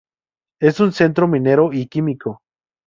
Es un centro minero y químico.